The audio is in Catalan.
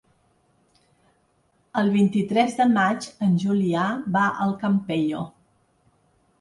El vint-i-tres de maig en Julià va al Campello.